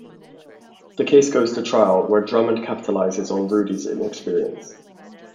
The case goes to trial, where Drummond capitalizes on Rudy's inexperience.